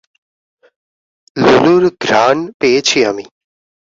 লুলুর ঘ্রাণ পেয়েছি আমি।